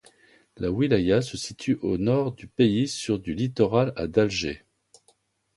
La wilaya se situe au nord du pays sur du littoral à d'Alger.